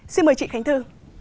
xin mời chị khánh thư